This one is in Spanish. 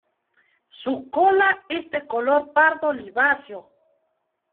Su cola es de color pardo oliváceo.